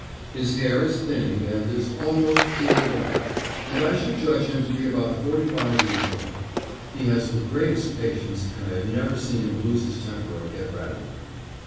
His hair is thinning and is almost pure white, and I should judge him to be about forty five years old. He has the greatest patience, and I have never seen him lose his temper or get rattled.